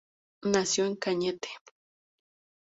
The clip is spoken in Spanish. Nació en Cañete.